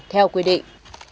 theo quy định